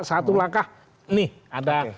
satu langkah nih ada